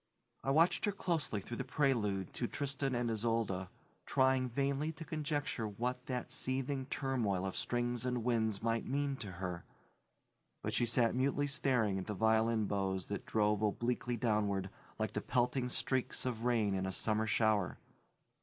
I watched her closely through the prelude to Tristan and Isolde, trying vainly to conjecture what that seething turmoil of strings and winds might mean to her, but she sat mutely staring at the violin bows that drove obliquely downward, like the pelting streaks of rain in a summer shower.